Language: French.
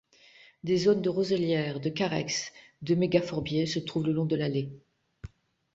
Des zones de roselière, de carex, de mégaphorbiaie se trouvent le long de l'Aller.